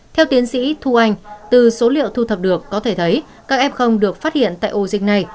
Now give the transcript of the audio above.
theo tiến sĩ thu anh từ số liệu thu thập được có thể thấy các f được phát hiện tại ổ dịch này